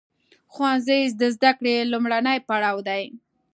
ښوونځی د زده کړې لومړنی پړاو دی.